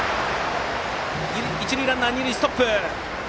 一塁ランナーは二塁ストップ。